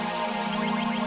aku akan mengingatmu